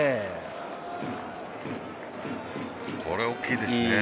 これは大きいですよね。